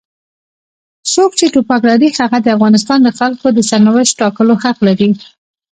څوک چې ټوپک لري هغه د افغانستان د خلکو د سرنوشت ټاکلو حق لري.